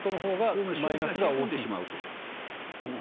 消費が冷え込んでしまうということ。